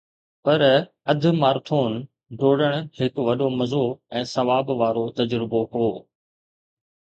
پر اڌ مارٿون ڊوڙڻ هڪ وڏو مزو ۽ ثواب وارو تجربو هو